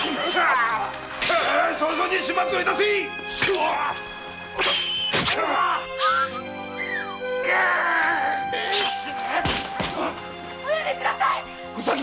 お止めください！